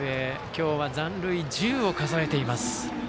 今日は残塁１０を数えています。